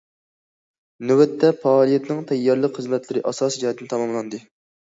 نۆۋەتتە پائالىيەتنىڭ تەييارلىق خىزمەتلىرى ئاساسى جەھەتتىن تاماملاندى.